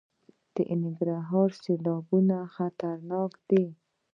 د ننګرهار سیلابونه خطرناک دي؟